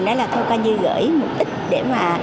nói là thâu ca như gửi một ít để mà